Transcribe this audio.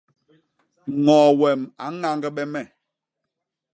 ññoo wem a ñañgbe me.